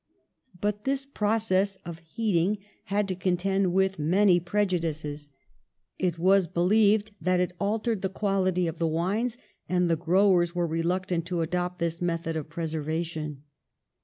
But this proc ess of heating had to contend with many preju dices. It was believed that it altered the qual ity of the wines, and the wine growers were re luctant to adopt this method of preservation.